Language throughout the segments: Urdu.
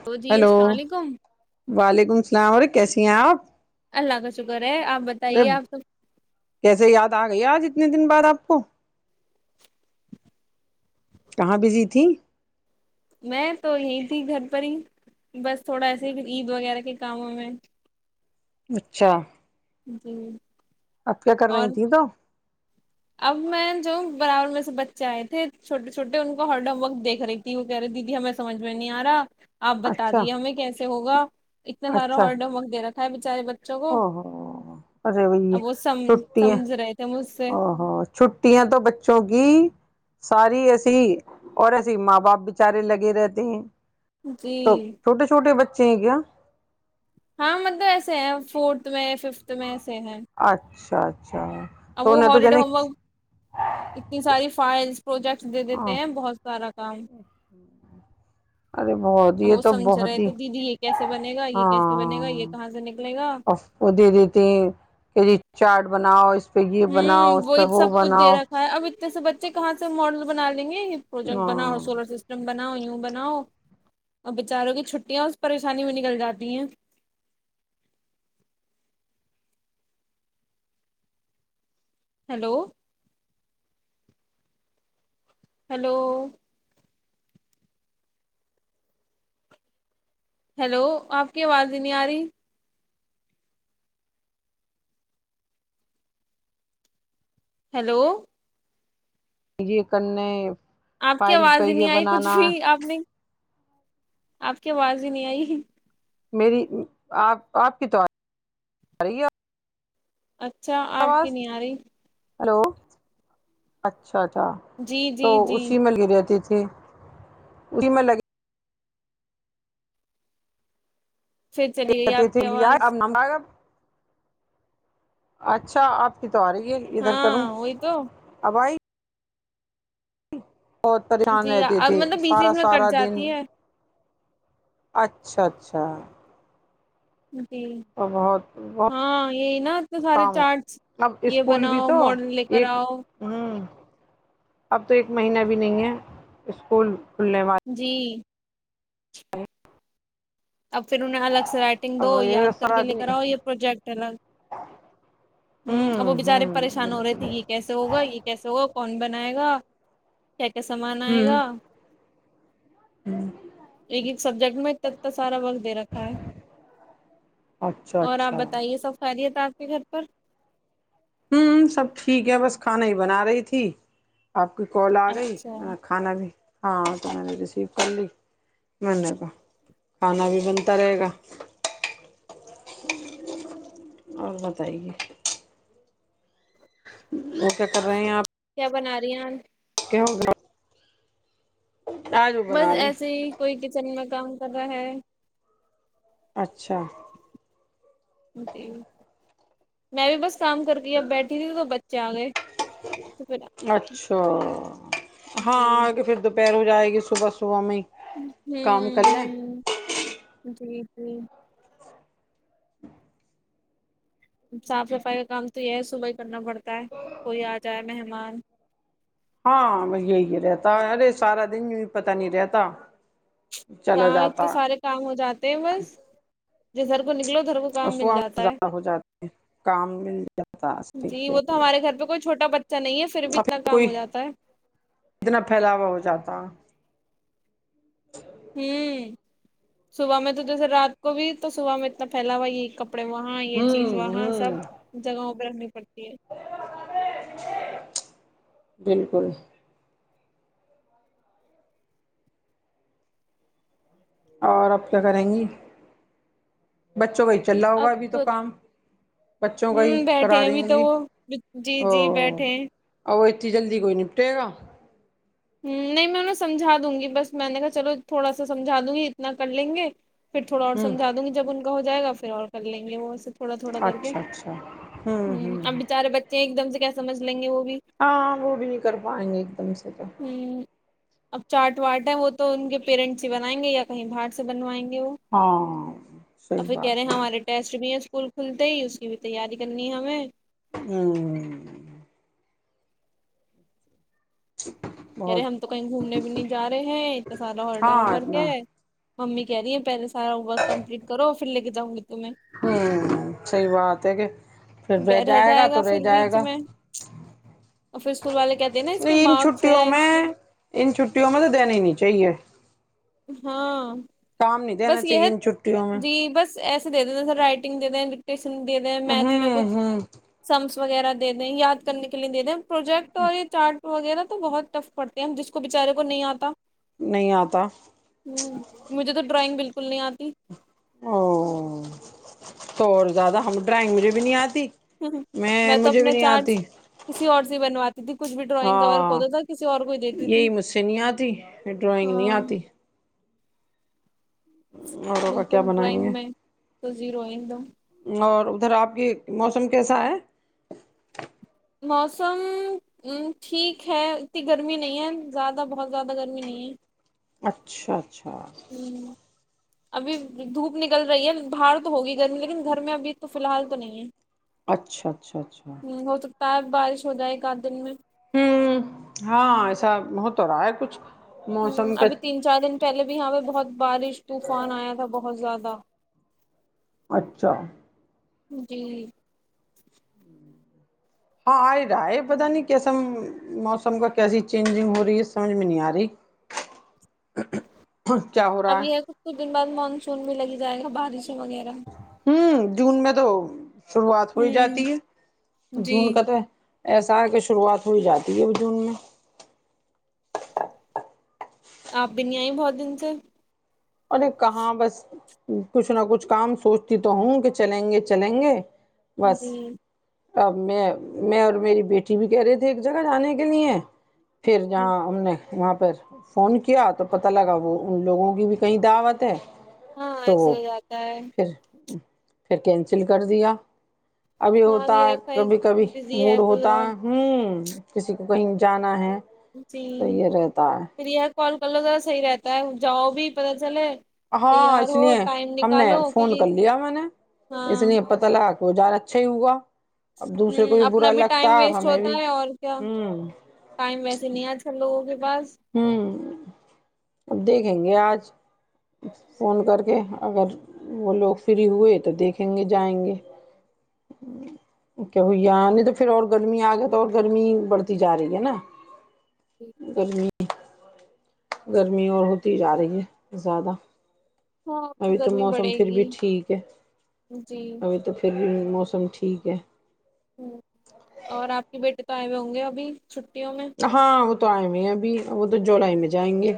ہلو جی ہیلو السلام علیکم وعلیکم السلام اوررے کیسی ہیں آپ اللہ کا شکر ہے آپ ارے بتائیے آپ تو کتنے دن بعد آپ کو کہاں بزی تیں میں تو یہی تھی گھر پر ہی بس تھوڑا ایسے ہی عید وغیرہ کے کاموں میں اچھا جی اب کیا کر اور رہی تھیں تو اب میں جو برابر میں سے بچے آئے تھے چھوٹے چھوٹے ان کو ہرڈم وقت دیکھ رہی تھی وہ کہہ رہی دیدی ہمیں سمج میں نہیں آ رہا آپ بتا اچھا دیے ہمیں کیسے ہوگا اتنا سارا اچھا ہارڈم وغ دیرا بچارے ب او ہو ارے وہی ہے وہ سم چھٹی ہے سمجھ رہے تھے مجھ سے اور چھٹیاں تو بچوں کی ساری ایسی اور ایسی ماں باپ بچارے لگے رہتے ہیں جی تو چھوٹے چھوٹے بچے چاہ گیا ہاں مطلب ایسے ہیں فورتھ میں ففت میں سے ہیں ساچھ اب وہ ہالیڈے ہوم ورک اتنی ساری فائلس پروجیکٹس دے ہ دیتے ہیں بہت سارا کام ارے بہت یہ وہ تو سمجھ رہے بہت ہی تھے دیدی یہ کیسے بنے گا یہ کیسے بنے گا یہ ہاں کہاں سے نکلے گا ا دے دیتے کہ چارٹ بناؤ اس پ یہ بناؤ اس پہ وہ بناؤ اس سے بچے کہاں سے ماڈل بنا رہ لیں گے یہ پروجیکٹ بنا اور ہاں سولر سسٹم میں بناؤ یوں بناؤ اور بچاروں کی چھٹیاں اس پریشانی میں نکل جاتی ہیں ہیلو ہلو ہیلو آپ کی آواز ہی نہیں آ رہی ہیلو مے ک [inaudible] آپ کی آواز ہی نہیں آئی کچھ بھی آپ نے آپ کی آواز ہی نہیں آئی میری آپ آپ کی تو رہی ہے اچھا آپ کی آواز نہیں آ رہی ہلو اچھا اچھا جی تو جی جی اسی میں رہتی تھی ج اسی میں لگے پھر چلی گئی کہتے آپ تھے کی لیا آواز اب نامبب اچھا آپ کت تو آ رہی ہے ادھر کروں ہاں وہی تو ابھائی بہت پریشان جی رہتی اب تھی مطلب بیچ بیچ سارا میں سارا کٹ دن جاتی ہے اچھا اچھا جی بہت بہت ہاں یہی نا انے سارے کام چارٹس اب یہ اسکول بھی بناؤ تو ماڈل لے کر ایک آؤ ہوں اب تو ایک مہینہ بھی نہیں ہے اسکول کھلنے والا جی اب پھر انہیں الگ سے رائٹنگ دو اب یاد یہ کر سارا کے لے کر دن آؤ یہ پروجیکٹ الگ ہ اب وہ ہوں بچارے ہوں پریشان ہو رہے بالکل تھے یہ کیسے ہوگا یہ کیسے ہوگا کون بنائے گا کیا کیا سامان آئے ہوں گا ایک ایک سبجیکٹ میں تو سارا وقت دے رکھا ہے اچھا اور آپ اچھا بتائیے سف خاریت تس کے گھر پر ہوں سب ٹھیک ہے بس کھانا ہی بنا رہی تھی آپ کی کال آ گئی اچھا کھانا بھی ہاں تو میں نے ریسیو کر لی منے کا کھانا بھی بنتا رہے گا اور بتائیے وہ کیا کر رہے ہیں آپ کیا بنا رہی ہیں کیا ہو گا بس ہیں ایسے ہی کوئی کچن میں کام کر رہا ہے اچھا م [inaudible] میں بھی بس کام کر کے اب بیٹھی تھی تو تو بچے آ گئے تو پھر تو ہاں جی آ کہ پھر دوپہروں آئے گی صبح صبح میں کام کر ہوں لیں ہ جی ج [unintelligible] صاف صفائی کا کام تو یہ ہے صبح ہی کرنا پڑتا ہے کوئی آ جائے مہمان ہاں میں یہی رہتا ارے سارا دن پتا نہیں رہتا چلا کہاں ا جاتا کے ہے، سارے کام ہو جاتے ہیں بس ریزرو اسدہ ہو جات کام مل جاتا ہے جی وہ تو ہمارے گھر پہ کوئی چھوٹا بچہ نہیں ہے بھی پھر اتنا کام کوئی ہو جاتا ہے اتنا پھیلاوا ہو جاتا ہوں صبح میں تو جیسے رات کو بھی تو صبح میں اتنا پھیلا ہوا یہی کپڑ کڑے وہاں یہ چیز ہوں وہاں ہوں سب جگہوں بنی پڑتی ہے بالکل اور اب کیا کریں گی بچوں کو چللا ہوگا ابھی تو کام بچوں کا ہی ہوں بیٹھے کرا ہیں رہی ابھی ہوں تو گی وہ جی جی اوہ بیٹھے ہیں اور ای جلدی کوئی نپٹے گا ہ نہیں میں انہیں سمجا دوں گی بس میں نے کہا چلو تھوڑا سا سمجھا دوں گی اتنا کر لیں گے پھر تھوڑا اور ہوں سمجا دوں گی جب ان کا ہو جائے گا پھر اور کر لیں گے وہ تھوڑا تھوڑا کر کے اچھا اچھا ہوں ہ ہوں اب بچارے بچے ایک دم سے کیا سمھ لیں گے وہ بھی ہاں وہ بھی نہیں کر پائیں گے ایک دم سے تو ہوں اب چارٹ واٹ ہے وہ تو ان کے پیرنٹس ہی بنائیں گے یا کہیں باہر سے بنوائیں گے اور ہاں صحیح پھر کہہ رہے بات ہیں ہمارے ٹیسٹ بھی ہے اسکول کھلتے ہی اس کی بھی تیاری کرنی ہے ہمیں ہوں کہرے بہت ہم تو کہیں گھومنے بھی نہیں جا رہے ہیں اتنا سارا ہاں ہوڈاومورگ اتنا ہے ممی کہہ رہی ہیں پہلس سارا اا کمپلیٹ کرو پھر لےا ہ گ ہوں صحی بات ہے کہ پھر رہ بے جائے گا تو رہ پھر جائے بیچ گا میں اور پھر اسکول والے کہتے ہیں نا اس کے نہیں ان مارکس چھٹیوں ہیں اس میں کے ان چھٹیوں میں تو دینا ہی نہیں چاہیے ہاں کام نہیں دینا بس چاہیے یہ ان چھٹیوں میں جی بس ایسے دے د د سر رائٹنگ دے دیں ڈکٹیشن دے رہ میتھ میں ہوں کچھ ہوں س وغیرہ دے دیں یاد کرنے کے لیے دے دیں پروجیکٹ ہو چار وغیرہ تو بہت ٹف پڑتے ہیں ہم جس کو بچارے کو نہیں آتا نہیں آتا ہ مجھے تو ڈرائنگ بالکل کول نہیں آتی او تو اور زیادہ ہم ڈرائنگ مجھے بھی نہیں آتی ہ میں تو مجھے بھی اپنے نہیں چارٹ آتی کسی اور سے بنواتی تھی کچھ بھی ڈرائنگ کور ہاں کتا تھا کسی اور کو ہی دیتی تھی یہی مجھ سے نہیں آتی ڈرائنگ نہیں ہاں آتی آٹو کا کیا بالکل بنائیں گے ڈرائنگ میں تو زیرو آ دوم اور ادھر آپ کی موسم کیسا ہے موسم ٹھیک ہے اتنی گرمی نہیں ہے زیادہ بہت زیادہ گرمی نہیں ہے اچھاچ اچھا ہ ابھی دھوپ نکل رہی ہے باہار تو ہوگی گرمی لیکن گھر میں ابھی تو فی الحال تو نہیں ہے اچھا اچھا اچھا کیا بارش ہو جائے ایک آدھ دن میں ہوں ہاں ایسا ہو تو ہو رہا ہے کچھ ہ موسم کا ابھی تین چار دن پہلے بھی یہاں پہ بہت بارش طوفان آیا تھا بہت زیادہ واہ اچھا جی ہاں آئے رہا ہے پتا نہیں کیسا موسم کا کیسی چینجنگ ہو رہی ہے سمجھ میں نہیں آ رہی کیا ہو اب رہا ہے یہ کچھ کچھ دن بعد مانسون بھی لگی جائے گا بارش ہوں جون میں تو شروعات ہو ہی جاتی ہ ہے جی جون کا تو ایسا آ کہ شروعات ہوئی جاتی ہے اب جون میں آپ بھی نہیں آئی بہت دن سے اوررے کہاں بس کچھ نہ کچھ کام سوچتی تو ہوں کہ چلیں گے چلیں گے بس جی اب میں میں اور میری بیٹی بھی کہہ رہے تھے ایک جگہ جانے کے لیے پھر جااں جی. ا نے وہاں پر فون کیا تو پتہ لگا وہ ان لوگوں کی بھی کئی دعوت ہے ہاں تو ایسے ہو جاتا ہے پھر پھر کینسل کر دیا ابھی ہاں ہوتا یہ ہے کئی کبھی کبھی بزی ہے موڈ کوئی ہوتا اور ہے ہوں کسی کو کہیں جانا ہے ج جی تو یہ رہتا ہے پرییا کال کر لو ذدا صحی رہتا ہے جاؤ بھی پتا چلے ہاں تیار اس ہو لیے ٹائم ہم نے نکالو فون کیونکہ کر لیا میں نے اس ہاں لیے پت لگ توزار اچھا ہی ہوگا ہ اپنا بھی ٹائم ویسٹ ہمیں بھی ہوتا ہے اور کیا ہوں ٹائم ویسے نہیں آج کل لو ہوں اب دیکھیں گے آج فون کر کے اگر وہ لوگ فری ہوئے تو دیکھیں گے جائیں گے کہ ب یہ نہیں تو پھر اور گرمی آ گیا تو اور گرمی بڑھتی جا رہی ہے نا گرمی ج گرمی اور ہوتی جا رہی ہے زیادہ ہاں اب ابھی تو گرمی موسم بڑھے پھر بھی گی ٹھیک ہے جی ابھی تو پھر بھی موسم ٹھیک ہے توٹائئے ہوں گے اب چٹی ہاں وہ تو آئے بھی ہی ہےب وہ تو جوڑائی میں جائیں گے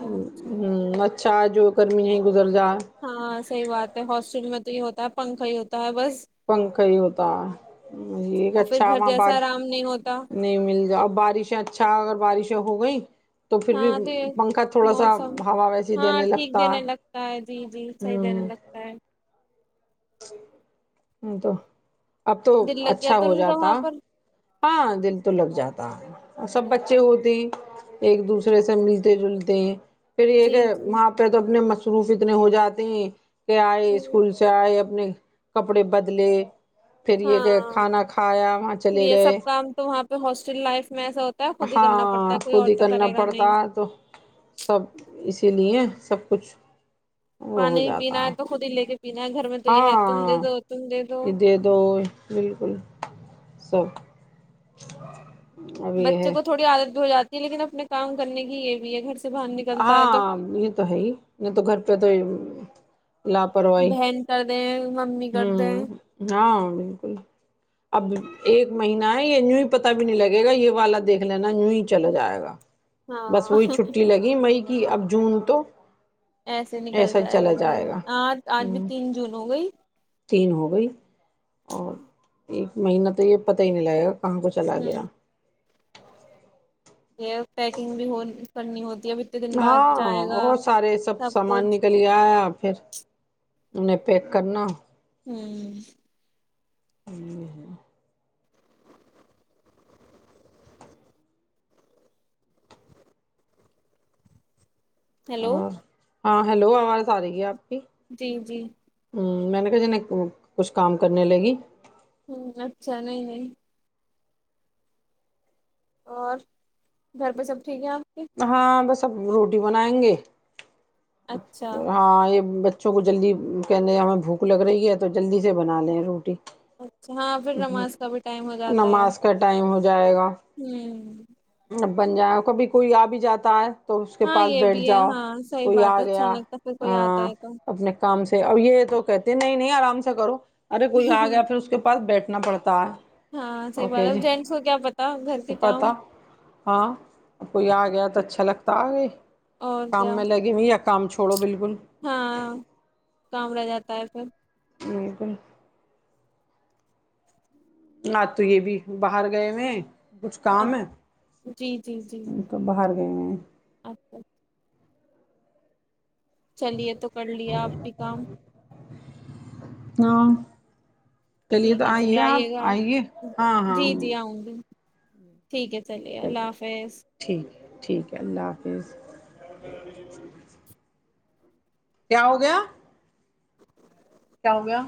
ہ اچھا م چاہ جو کررمی ہے ہاں صحیح بات ہے ہاسٹل میں تو یہ ہوتا ہے پنکھا ہی ہوتا ہے بس پنکھا ہی ہوتا ہے یہ اور پھر اچھا گھر وہاں جیسا بش آرام نہیں ہوتا نہیں مل جا بارش اچھا اگر بارش ہو گئی ہاں د موسم ہوا ویسی ہاں دینے ٹھیک لگتا دینے لگتا ہے جی جی صحیح دینے لگتا ہے ج ہ تو اب تو دل لگ گیا اچھا تو ہو ان کا جاتا وہاں پر ہاں دل تو لگ جاتا سب بچے ہوتے ایک دوسرے سے ملتے جلتے ہیں پھر یہ جی ہے جی وہاں پہ تو اپنے شروف اتنے ہو جاتے ہیں آئے اسکول سے آئے ا ننے کپڑے بدلے ہاں کھانا کھایا وہاں پھر چلے یہ سب گئے کام تو وہاں پہ ہاسٹل لائف میں ایسا ہوتا ہے خود ہی کرنا ہاں پڑتا ہے کوئی خود اور ہی تو کرنا کرے گا پڑتا نہیں ہے تو سب اسی لیے سب کچھ وہ ہو پانی پینا جاتا ہے تو خود ہی لے کے پینا ہے گھر میں تو یہ ہے تم ہاں دے دو تم دو ا دے تو بالکل سب اب یہ بچے ہے کو تھوڑی عادت بھی ہو جاتی لیکن اپنے کام کرنے کی یہ بھی ہے گھر سے باہر نکلتا ہے تو ہاں یہ تو ہے ہی نہیں تو گھر پہ تو لاپرواہی بہن کر دیں ممی کر ہوں دیں ہاں بالکل اب ایک مہینہ ہے یہ ی ہی پتا بھی نہیں لگے گا یہ والا دیکھ لینا ی ہی چلا جائے گا بس وہی چھٹی ہاں لگی مئی کی اب جون تو ایسے نکل ایسا ہی جائے گا چلا جی آج آج بھی ہ تین جون ہو گئی تین ہو گئی اور ایک مہینہ تو یہ پتہ ہی نہیں لگیا کہاں کو چلا گیا ہوں یہ پیکنگ بھی ہو [inaudible] بعد ہاں جائے گا اور سارے سب سامان نکلے آیا پھر انیں پیک کرنا ہوں [inaudible] ہیلو اور ہاں ہیلو آواز آ رہی ہے آپ کی جی جی ہ میں نے کہ ج ن کچھ کام کرنے لے گی ہوں اچھا نہیں نہیں اور گھر پہ سب ٹھیک ہے کے ہاں بس تب روٹی بنائیں گے اچھا ہاں یہ ب بچوں کو جلدی کہنے ہمیں بھوک لگ رہی ہے تو جلدی سے بنا ل روٹی اچھا ہاں پھر نماز کا بھی ٹائم ہو جاتا ہے نماز کا ٹائم ہو جائے گا ہ اب بن جائےیں اور کبھی کوئی آ بھی جاتا ہے تو اس کے ہاں پاس یہ بیٹھ بھی ہے جاؤ ہاں صحیح کوئی بات آ ہے اچھا گیا نہیں لگتا پھر کوئی آتا ہے تو اپنے کام سے ا یہ تو کہتے نہیں نہیں آرام سے کرو ارے کوئی آ گیا پھر اس کے پاس بیٹھنا پڑتا ہے ہاں صحیح بات اوکے ہے جی جینٹس کو کیا پتا گھر تو کے پتا کام ہ کوئی آ گیا تو اچھا لگتا آ گئی اور کام کیا میں لے گ م آ کام چوڑو بالک ہاں جڑا جاتا ہے پھر یک ہاں تو یہ بھی باہر گئے میں کچھ کام ہے اچ- تو باہر ہ اچھا اچھا چلیے تو کر لیا اپ بھی کام ناں چلیے تو ٹھیک ہے آئیے آپ گا آئیے آپ ہاں ہاں جی ہے جی آؤں گی ٹھیک ہے چلیے اللہ حافظ ٹھیک ٹھیک ہے اللہ حافظ کیا ہو گیا کیا ہو گیا